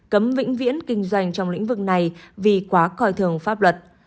cấm vĩnh viễn kinh doanh trong lĩnh vực này vì quá coi thường pháp luật